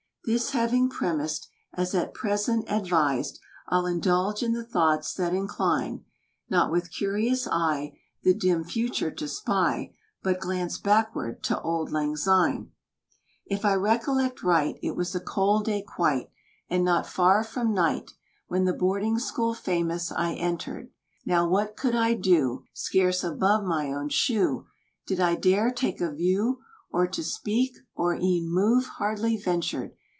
This having premised As at present advised, I'll indulge in the thoughts that incline, Not with curious eye The dim future to spy, But glance backward to "Auld Lang Syne." If I recollect right, It was a cold day quite, And not far from night When the Boarding School famous I entered. Now what could I do? Scarce above my own shoe Did I dare take a view, Or to speak, or e'en move hardly ventured.